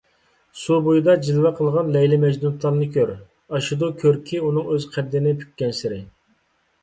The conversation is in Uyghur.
سۇ بويىدا جىلۋە قىلغان لەيلى - مەجنۇنتالنى كۆر، ئاشىدۇ كۆركى ئۇنىڭ ئۆز قەددىنى پۈككەنسېرى.